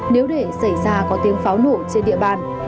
nếu để xảy ra có tiếng pháo nổ trên địa bàn